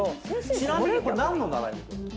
ちなみにこれ何の習い事？